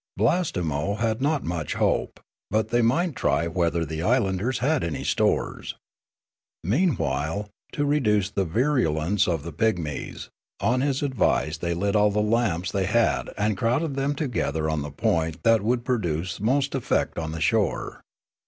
Blastemo had not much hope ; but they might try whether the islanders had any stores. Meanwhile, to reduce the virulence of the pigmies, on his advice they lit all the lamps they had and crowded them together on the point that would produce most effect on the shore.